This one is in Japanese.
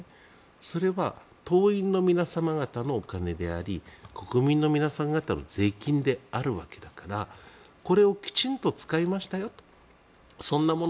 それは、党員の皆様方のお金であり国民の皆さん方の税金であるわけだからこれをきちんと使いましたよとそんなもの